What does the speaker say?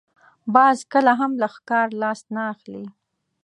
باز کله هم له ښکار لاس نه اخلي